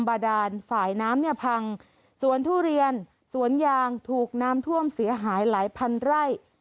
บาดานฝ่ายน้ำเนี่ยพังสวนทุเรียนสวนยางถูกน้ำท่วมเสียหายหลายพันไร่